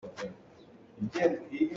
A or tuk caah a ho hmanh nih an rem lo.